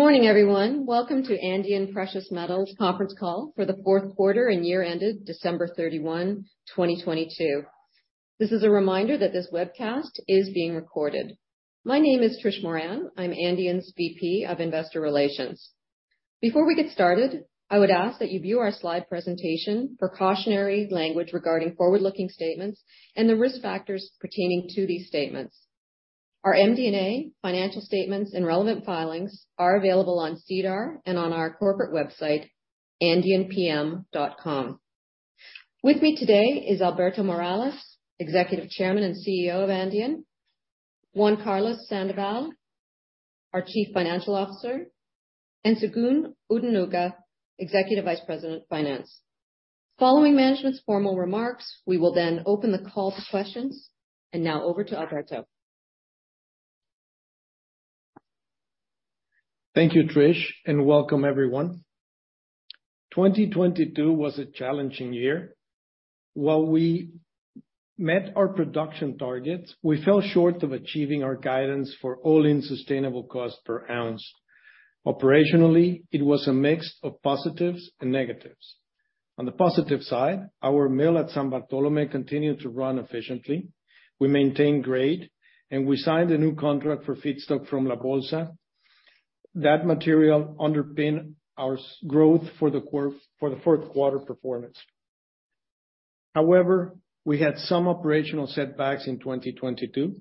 Good morning, everyone. Welcome to Andean Precious Metals conference call for the fourth quarter and year ended December 31, 2022. This is a reminder that this webcast is being recorded. My name is Trish Moran. I'm Andean's VP of Investor Relations. Before we get started, I would ask that you view our slide presentation, precautionary language regarding forward-looking statements and the risk factors pertaining to these statements. Our MD&A financial statements and relevant filings are available on SEDAR and on our corporate website, andeanpm.com. With me today is Alberto Morales, Executive Chairman and CEO of Andean, Juan Carlos Sandoval, our Chief Financial Officer, and Segun Odunuga, Executive Vice President of Finance. Following management's formal remarks, we will then open the call to questions. Now over to Alberto. Thank you, Trish, and welcome everyone. 2022 was a challenging year. While we met our production targets, we fell short of achieving our guidance for all-in sustaining cost per ounce. Operationally, it was a mix of positives and negatives. On the positive side, our mill at San Bartolomé continued to run efficiently. We maintained grade, and we signed a new contract for feedstock from La Bolsa. That material underpinned our growth for the fourth quarter performance. We had some operational setbacks in 2022.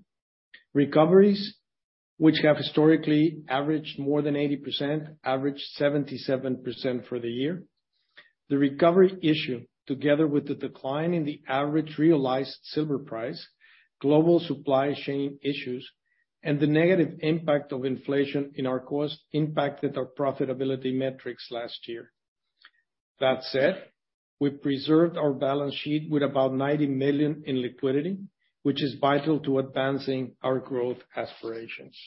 Recoveries which have historically averaged more than 80%, averaged 77% for the year. The recovery issue, together with the decline in the average realized silver price, global supply chain issues, and the negative impact of inflation in our cost impacted our profitability metrics last year. That said, we preserved our balance sheet with about $90 million in liquidity, which is vital to advancing our growth aspirations.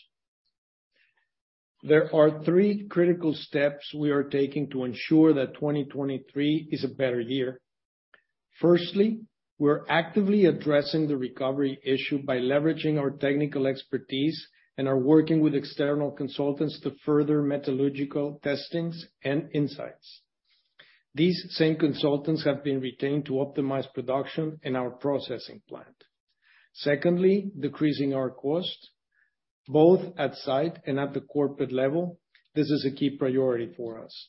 There are three critical steps we are taking to ensure that 2023 is a better year. Firstly, we're actively addressing the recovery issue by leveraging our technical expertise and are working with external consultants to further metallurgical testings and insights. These same consultants have been retained to optimize production in our processing plant. Secondly, decreasing our cost, both at site and at the corporate level, this is a key priority for us.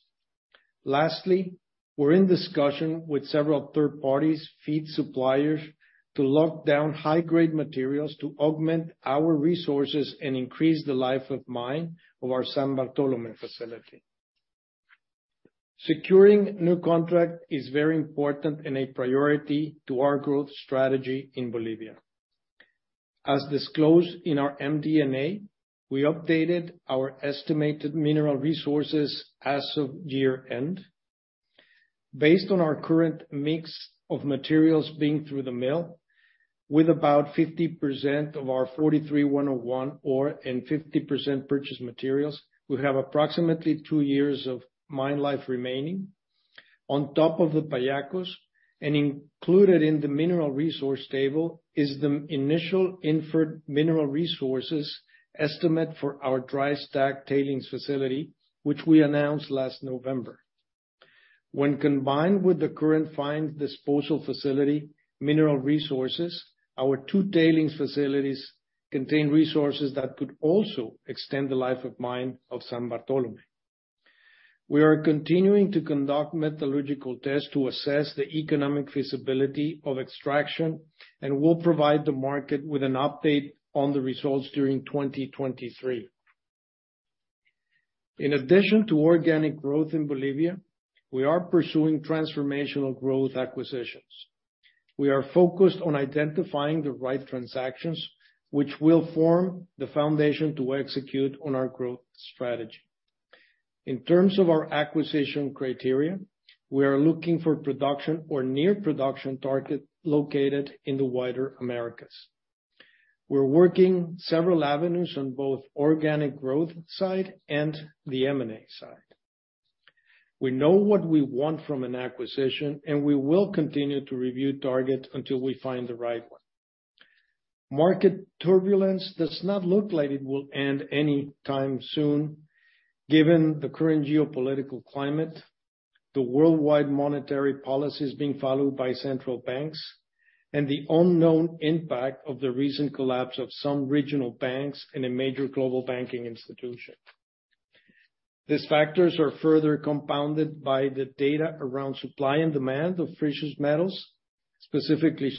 Lastly, we're in discussion with several third parties, feed suppliers, to lock down high-grade materials to augment our resources and increase the life-of-mine of our San Bartolomé facility. Securing new contract is very important and a priority to our growth strategy in Bolivia. As disclosed in our MD&A, we updated our estimated mineral resources as of year-end. Based on our current mix of materials being through the mill, with about 50% of our 43-101 ore and 50% purchased materials, we have approximately two years of mine life remaining. On top of the Pallacos, and included in the mineral resource table, is the initial inferred mineral resources estimate for our dry stack tailings facility, which we announced last November. When combined with the current fines disposal facility mineral resources, our two tailings facilities contain resources that could also extend the life of mine of San Bartolomé. We are continuing to conduct metallurgical tests to assess the economic feasibility of extraction, and we'll provide the market with an update on the results during 2023. In addition to organic growth in Bolivia, we are pursuing transformational growth acquisitions. We are focused on identifying the right transactions, which will form the foundation to execute on our growth strategy. In terms of our acquisition criteria, we are looking for production or near production target located in the wider Americas. We're working several avenues on both organic growth side and the M&A side. We know what we want from an acquisition, and we will continue to review targets until we find the right one. Market turbulence does not look like it will end any time soon, given the current geopolitical climate, the worldwide monetary policies being followed by central banks, and the unknown impact of the recent collapse of some regional banks and a major global banking institution. These factors are further compounded by the data around supply and demand of precious metals, specifically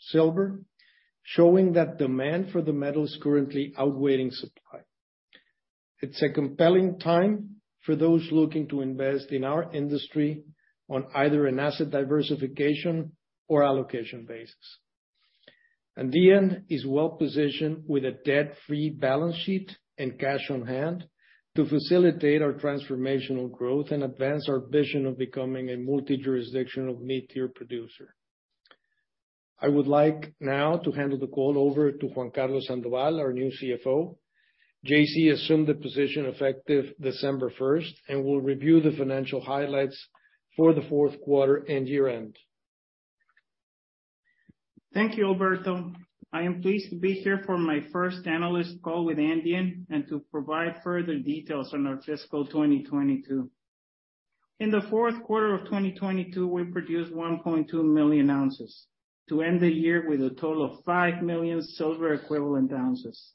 silver, showing that demand for the metal is currently outweighing supply. It's a compelling time for those looking to invest in our industry on either an asset diversification or allocation basis. Andean is well-positioned with a debt-free balance sheet and cash on hand to facilitate our transformational growth and advance our vision of becoming a multi-jurisdictional mid-tier producer. I would like now to hand the call over to Juan Carlos Sandoval, our new CFO. JC assumed the position effective December 1st, and will review the financial highlights for the fourth quarter and year-end. Thank you, Alberto. I am pleased to be here for my first Analyst Call with Andean and to provide further details on our fiscal 2022. In the fourth quarter of 2022, we produced 1.2 million ounces to end the year with a total of 5 million silver equivalent ounces.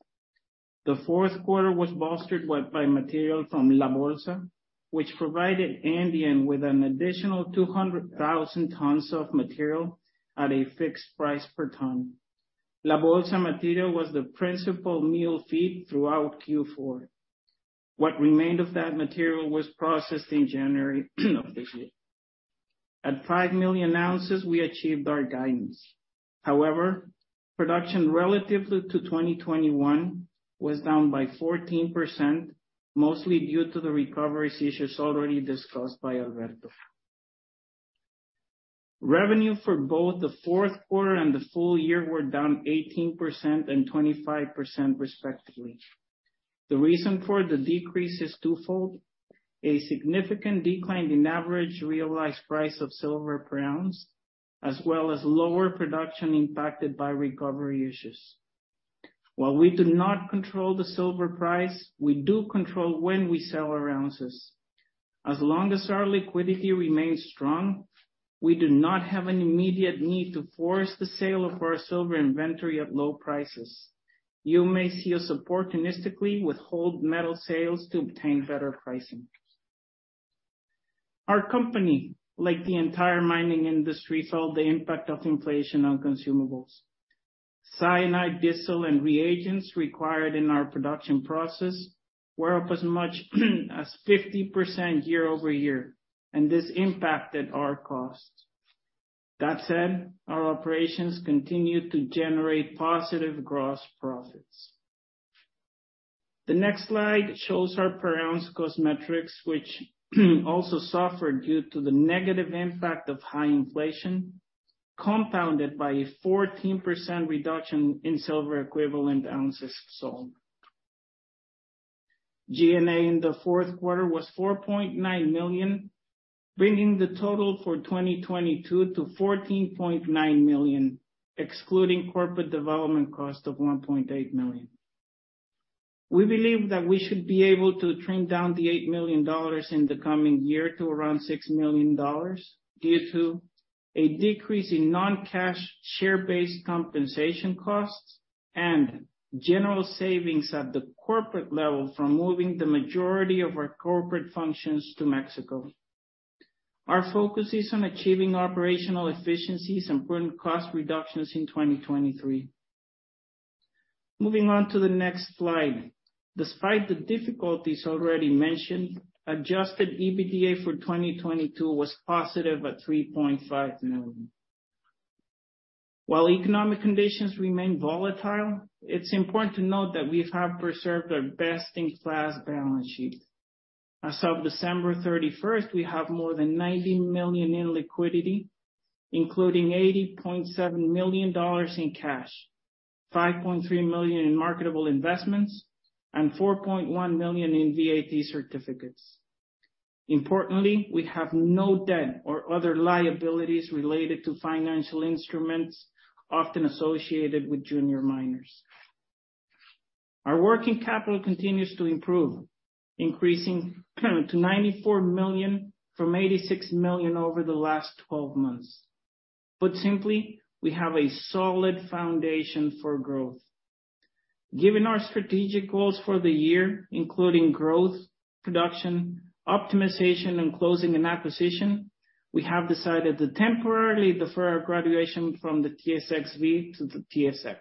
The fourth quarter was bolstered by material from La Bolsa, which provided Andean with an additional 200,000 tons of material at a fixed price per ton. La Bolsa material was the principal mill feed throughout Q4. What remained of that material was processed in January of this year. At 5 million ounces, we achieved our guidance. Production relatively to 2021 was down by 14%, mostly due to the recovery issues already discussed by Alberto. Revenue for both the fourth quarter and the full year were down 18% and 25% respectively. The reason for the decrease is twofold: a significant decline in average realized price of silver per ounce, as well as lower production impacted by recovery issues. While we do not control the silver price, we do control when we sell our ounces. As long as our liquidity remains strong, we do not have an immediate need to force the sale of our silver inventory at low prices. You may see us opportunistically withhold metal sales to obtain better pricing. Our company, like the entire mining industry, felt the impact of inflation on consumables. Cyanide, Diesel, and Reagents required in our production process were up as much as 50% year-over-year, and this impacted our costs. That said, our operations continued to generate positive gross profits. The next slide shows our per-ounce cost metrics, which also suffered due to the negative impact of high inflation, compounded by a 14% reduction in silver equivalent ounces sold. G&A in the fourth quarter was $4.9 million, bringing the total for 2022 to $14.9 million, excluding corporate development cost of $1.8 million. We believe that we should be able to trim down the $8 million in the coming year to around $6 million due to a decrease in non-cash share-based compensation costs and general savings at the corporate level from moving the majority of our corporate functions to Mexico. Our focus is on achieving operational efficiencies and putting cost reductions in 2023. Moving on to the next slide. Despite the difficulties already mentioned, Adjusted EBITDA for 2022 was positive at $3.5 million. While economic conditions remain volatile, it's important to note that we have preserved our best-in-class balance sheet. As of December 31st, we have more than $90 million in liquidity, including $80.7 million in cash, $5.3 million in marketable investments, and $4.1 million in VAT certificates. Importantly, we have no debt or other liabilities related to financial instruments often associated with junior miners. Our working capital continues to improve, increasing to $94 million from 86 million over the last 12 months. Put simply, we have a solid foundation for growth. Given our strategic goals for the year, including growth, production, optimization, and closing an acquisition, we have decided to temporarily defer our graduation from the TSXV to the TSX.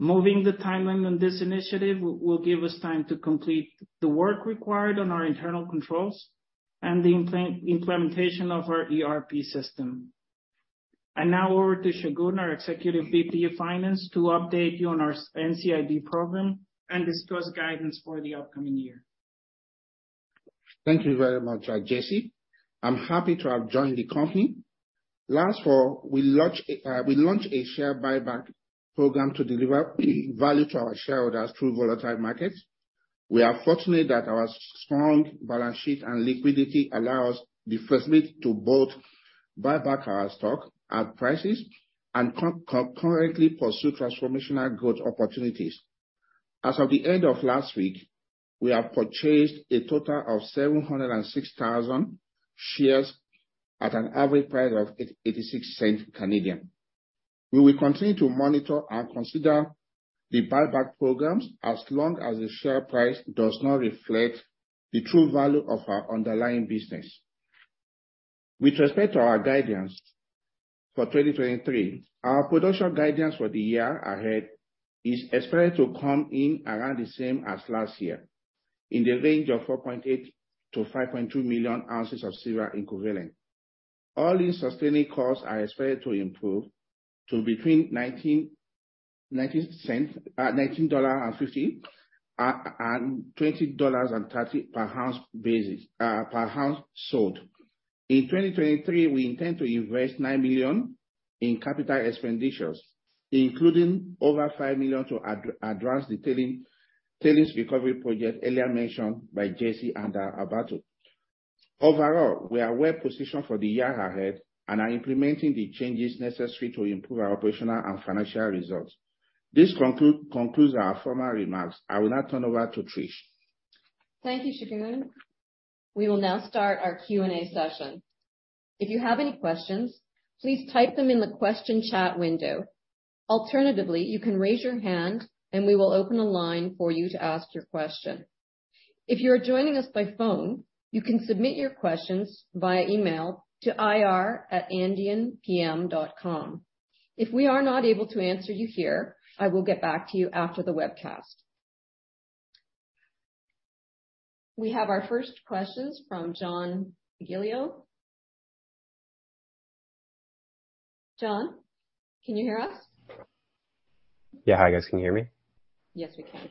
Moving the timeline on this initiative will give us time to complete the work required on our internal controls and the implementation of our ERP system. Now over to Segun, our Executive VP of Finance, to update you on our NCIB program and discuss guidance for the upcoming year. Thank you very much, JC. I'm happy to have joined the company. Last fall, we launched a share buyback program to deliver value to our shareholders through volatile markets. We are fortunate that our strong balance sheet and liquidity allow us the flexibility to both buy back our stock at prices and concurrently pursue transformational growth opportunities. As of the end of last week, we have purchased a total of 706,000 shares at an average price of 8.86. We will continue to monitor and consider the buyback programs as long as the share price does not reflect the true value of our underlying business. With respect to our guidance for 2023, our production guidance for the year ahead is expected to come in around the same as last year, in the range of 4.8 million to 5.2 million ounces of silver equivalent. All-in sustaining costs are expected to improve to between $19.50 and 20.30 per ounce basis per ounce sold. In 2023, we intend to invest $9 million in capital expenditures, including over $5 million to advance the Tailings Recovery Project earlier mentioned by JC and Alberto. We are well positioned for the year ahead and are implementing the changes necessary to improve our operational and financial results. This concludes our formal remarks. I will now turn over to Trish. Thank you, Segun. We will now start our Q&A session. If you have any questions, please type them in the question chat window. Alternatively, you can raise your hand and we will open a line for you to ask your question. If you're joining us by phone, you can submit your questions via email to ir@andeanpm.com. If we are not able to answer you here, I will get back to you after the webcast. We have our first questions from John Giglio. John, can you hear us? Yeah. Hi, guys. Can you hear me? Yes, we can.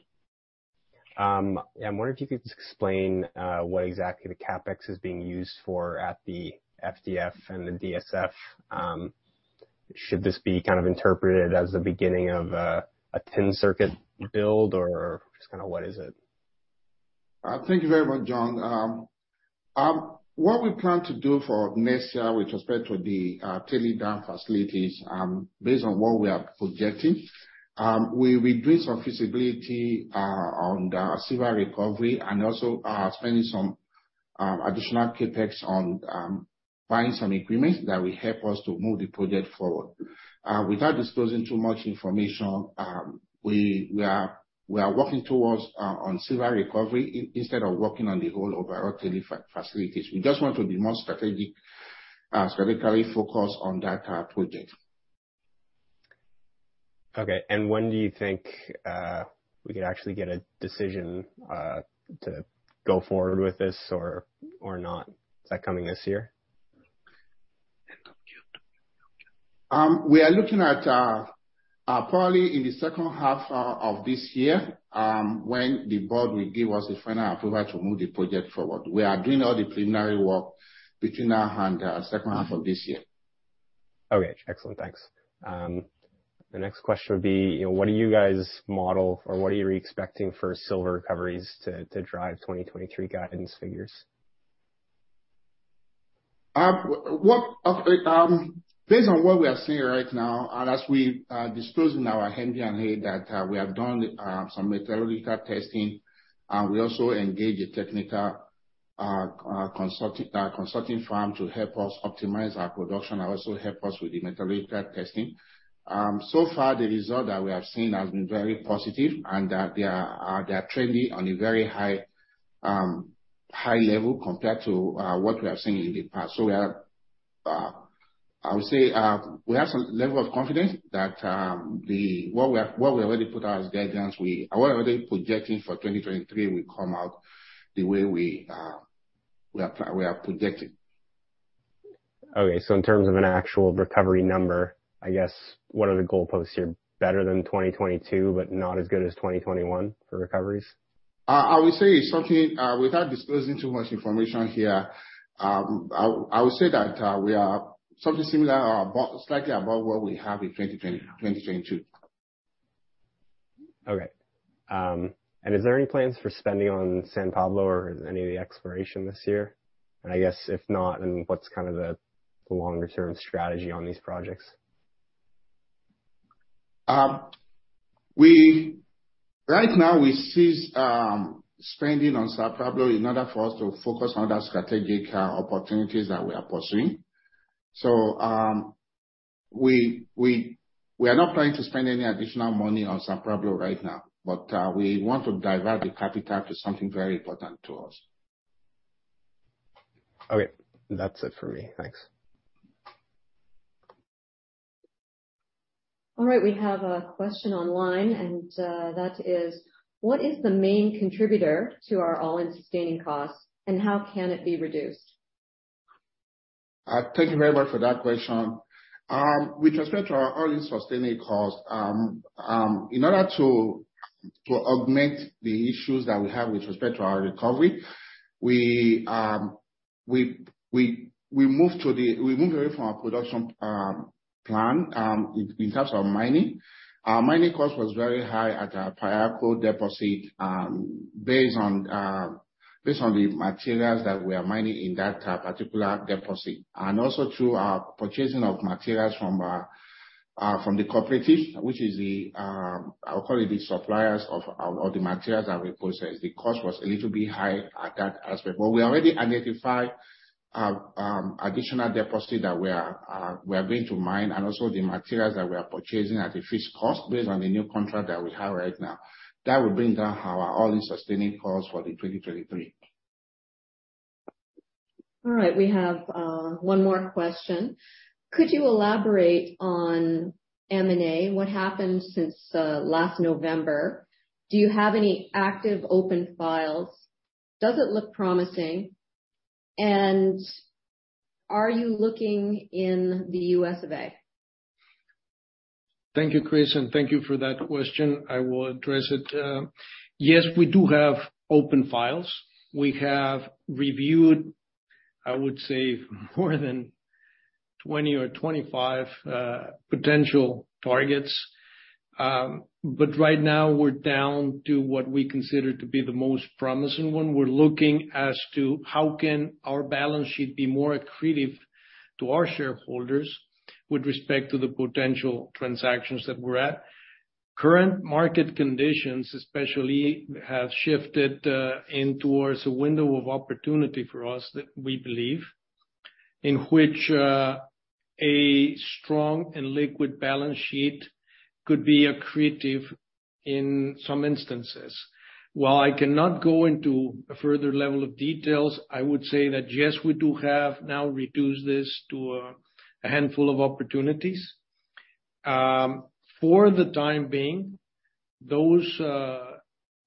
I'm wondering if you could just explain what exactly the CapEx is being used for at the FDF and the DSF. Should this be kind of interpreted as the beginning of a tin circuit build or just kind of what is it? Thank you very much, John. What we plan to do for next year with respect to the tailings facilities, based on what we are projecting, we will do some feasibility on the silver recovery and also spending some additional CapEx on finding some agreements that will help us to move the project forward. Without disclosing too much information, we are working towards on silver recovery instead of working on the whole overall tailings facilities. We just want to be more strategically focused on that project. Okay. When do you think we could actually get a decision to go forward with this or not? Is that coming this year? We are looking at, probably in the second half of this year, when the board will give us the final approval to move the project forward. We are doing all the preliminary work between now and, second half of this year. Okay. Excellent. Thanks. The next question would be, you know, what do you guys model or what are you expecting for silver recoveries to drive 2023 guidance figures? Based on what we are seeing right now, and as we disclosed in our MD&A that we have done some metallurgical testing, and we also engage a technical consulting firm to help us optimize our production and also help us with the metallurgical testing. So far the result that we have seen has been very positive and that they are trending on a very high high level compared to what we have seen in the past. We are I would say we have some level of confidence that what we are what we already put out as guidance, what we are already projecting for 2023 will come out the way we are projecting. Okay. In terms of an actual recovery number, I guess what are the goalposts here? Better than 2022, but not as good as 2021 for recoveries? I would say something, without disclosing too much information here, I would say that we are something similar or above, slightly above what we have in 2020, 2022. Okay. Is there any plans for spending on San Pablo or any exploration this year? I guess if not, then what's kind of the longer term strategy on these projects? Right now we ceased spending on San Pablo in order for us to focus on the strategic opportunities that we are pursuing. We are not planning to spend any additional money on San Pablo right now. We want to divert the capital to something very important to us. Okay. That's it for me. Thanks. All right. We have a question online, and, that is, what is the main contributor to our All-in sustaining costs, and how can it be reduced? Thank you very much for that question. With respect to our All-in sustaining cost, in order to augment the issues that we have with respect to our recovery, We moved away from our production plan in terms of mining. Our mining cost was very high at our Pallacos deposit, based on the materials that we are mining in that particular deposit. Also through our purchasing of materials from the cooperative, which is the I'll call it the suppliers of the materials that we process. The cost was a little bit high at that aspect. We already identified additional deposit that we are going to mine and also the materials that we are purchasing at a fixed cost based on the new contract that we have right now. That will bring down our all-in sustaining costs for the 2023. All right. We have one more question. Could you elaborate on M&A? What happened since last November? Do you have any active open files? Does it look promising? Are you looking in the U.S.A.? Thank you, Chris. Thank you for that question. I will address it. Yes, we do have open files. We have reviewed, I would say more than 20 or 25 potential targets. Right now we're down to what we consider to be the most promising one. We're looking as to how can our balance sheet be more accretive to our shareholders with respect to the potential transactions that we're at. Current market conditions, especially, have shifted in towards a window of opportunity for us, we believe, in which a strong and liquid balance sheet could be accretive in some instances. While I cannot go into a further level of details, I would say that, yes, we do have now reduced this to a handful of opportunities. For the time being, those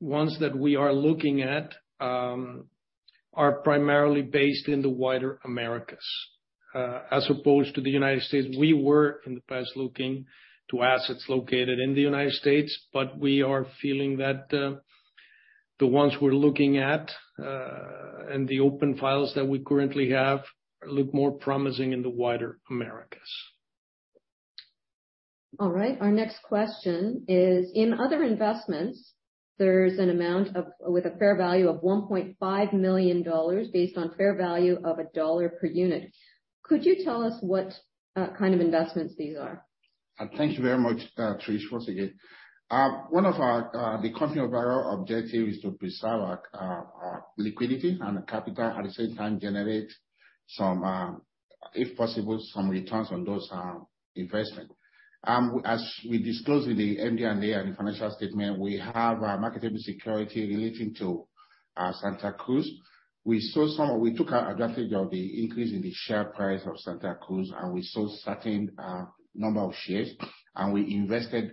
ones that we are looking at are primarily based in the wider Americas, as opposed to the United States. We were, in the past, looking to assets located in the United States. We are feeling that the ones we're looking at and the open files that we currently have look more promising in the wider Americas. All right. Our next question is, in other investments, there's an amount of with a fair value of $1.5 million based on fair value of $1 per unit. Could you tell us what kind of investments these are? Thank you very much, Trish, once again. One of our, the company of our objective is to preserve our liquidity and capital, at the same time generate some, if possible, some returns on those investment. As we disclosed with the MD&A and financial statement, we have a marketable security relating to Santacruz Silver. We took advantage of the increase in the share price of Santacruz Silver, and we sold certain number of shares, and we invested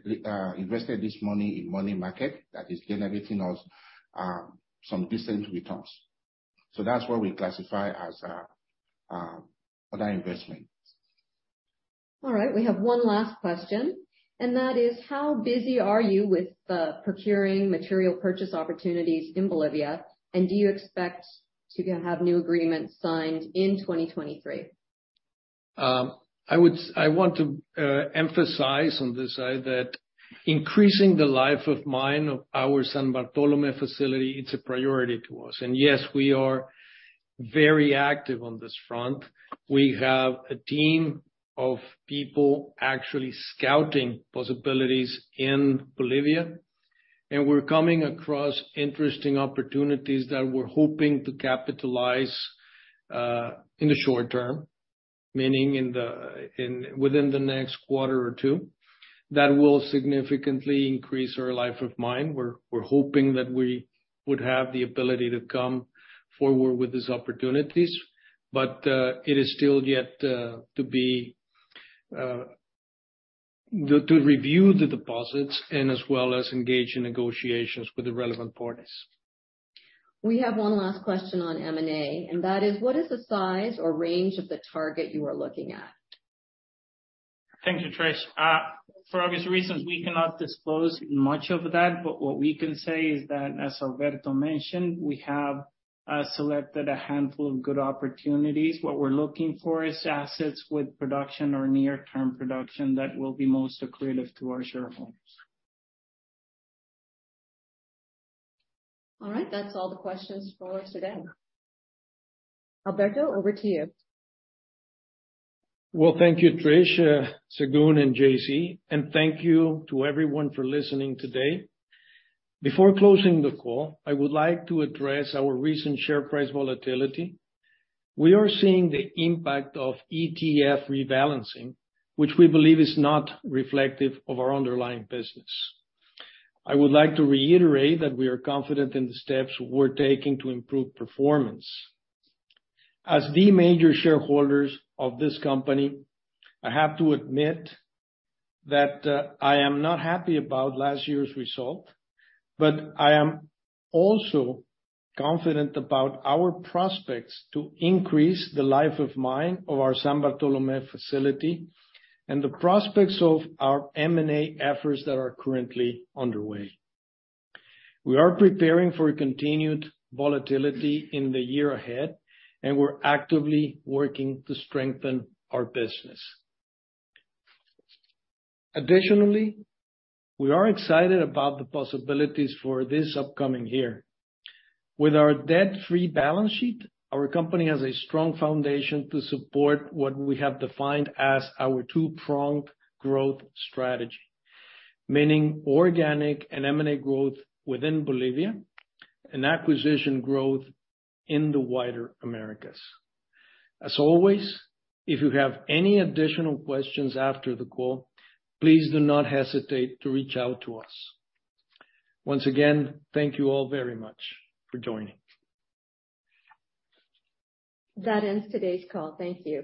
this money in money market that is generating us some decent returns. That's what we classify as other investments. All right, we have one last question, and that is, how busy are you with the procuring material purchase opportunities in Bolivia, and do you expect to have new agreements signed in 2023? I want to emphasize on this side that increasing the life of mine of our San Bartolomé facility, it's a priority to us. Yes, we are very active on this front. We have a team of people actually scouting possibilities in Bolivia, and we're coming across interesting opportunities that we're hoping to capitalize in the short term, meaning within the next quarter or two. That will significantly increase our life of mine. We're hoping that we would have the ability to come forward with these opportunities, but it is still yet to be review the deposits and as well as engage in negotiations with the relevant parties. We have one last question on M&A, and that is, what is the size or range of the target you are looking at? Thank you, Trish. For obvious reasons, we cannot disclose much of that, but what we can say is that, as Alberto mentioned, we have selected a handful of good opportunities. What we're looking for is assets with production or near-term production that will be most accretive to our shareholders. All right. That's all the questions for us today. Alberto, over to you. Thank you, Trish Moran, Segun Odunuga, and Juan Carlos Sandoval. Thank you to everyone for listening today. Before closing the call, I would like to address our recent share price volatility. We are seeing the impact of ETF rebalancing, which we believe is not reflective of our underlying business. I would like to reiterate that we are confident in the steps we're taking to improve performance. As the major shareholders of this company, I have to admit that I am not happy about last year's result. I am also confident about our prospects to increase the life of mine of our San Bartolomé facility and the prospects of our M&A efforts that are currently underway. We are preparing for a continued volatility in the year ahead. We're actively working to strengthen our business. Additionally, we are excited about the possibilities for this upcoming year. With our debt-free balance sheet, our company has a strong foundation to support what we have defined as our two-pronged growth strategy, meaning organic and M&A growth within Bolivia and acquisition growth in the wider Americas. As always, if you have any additional questions after the call, please do not hesitate to reach out to us. Once again, thank you all very much for joining. That ends today's call. Thank you.